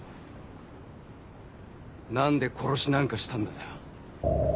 何で殺しなんかしたんだよ？